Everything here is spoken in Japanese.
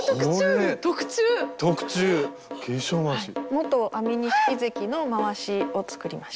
元安美錦関のまわしを作りました。